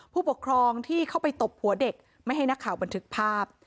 ผู้ปกครองที่เข้าไปตบหัวเด็กไม่ให้นักข่าวบันทึกภาพ